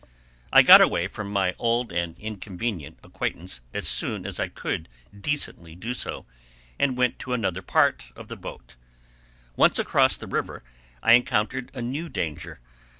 I got away from my old and inconvenient acquaintance as soon as I could decently do so, and went to another part of the boat. Once across the river, I encountered a new danger.